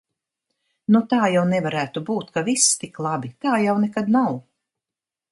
Nu, tā jau nevarētu būt, ka viss tik labi, tā jau nekad nav.